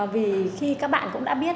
vì khi các bạn cũng đã biết